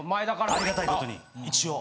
ありがたいことに一応。